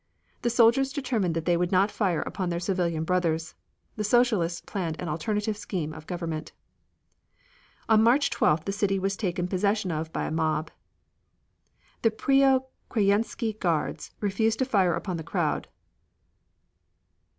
The soldiers determined that they would not fire upon their civilian brothers. The Socialists planned an alternative scheme of government. On March the 12th, the city was taken possession of by a mob. The Preo Crajenski Guards refused to fire upon the crowd.